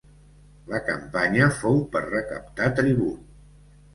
La campanya fou per recaptar tribut.